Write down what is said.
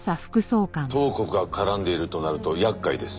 東国が絡んでいるとなると厄介です。